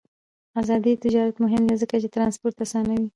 آزاد تجارت مهم دی ځکه چې ترانسپورت اسانوي.